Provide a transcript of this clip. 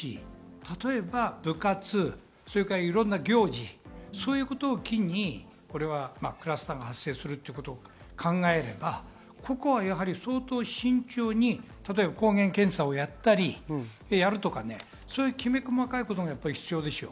例えば部活、いろんな行事、そういうのを機にクラスターが発生することを考えればここは相当慎重に抗原検査をやったり、きめ細かいこともやっぱり必要でしょう。